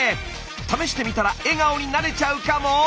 試してみたら笑顔になれちゃうかも？